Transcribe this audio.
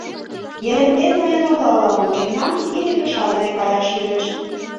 Еренте ноен огыл ала-мо, мемнам пире кыша дене каяш ӱжеш: